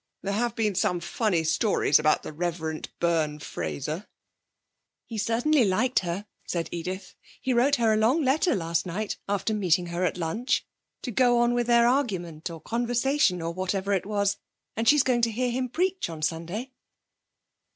There have been some funny stories about the Rev. Byrne Fraser.' 'He certainly liked her,' said Edith. 'He wrote her a long letter last night, after meeting her at lunch, to go on with their argument, or conversation, or whatever it was, and she's going to hear him preach on Sunday.'